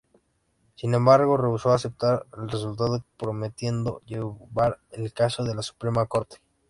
Sin embargo, rehusó aceptar el resultado, prometiendo llevar el caso a la Suprema Corte.